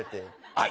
はい。